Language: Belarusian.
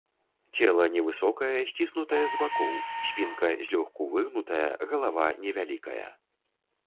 Цела невысокае, сціснутае з бакоў, спінка злёгку выгнутая, галава невялікая.